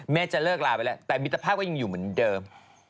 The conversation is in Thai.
จะเลิกลาไปแล้วแต่มิตรภาพก็ยังอยู่เหมือนเดิม